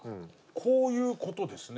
こういう事ですね。